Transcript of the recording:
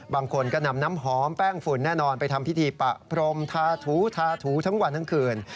บางคนก็นำน้ำหอมแป้งฝุ่นแน่นอนไปทำพิธีปะพรมทาถูทาถูทั้งวันทั้งคืน